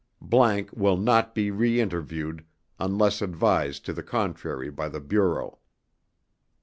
____ WILL NOT BE REINTERVIEWED UNLESS ADVISED TO THE CONTRARY BY THE BUREAU.